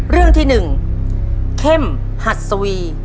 เรื่องที่๑เข้มหัดสวี